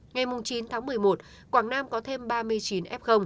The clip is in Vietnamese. ngày chín tháng một mươi một quảng nam có thêm ba mươi chín f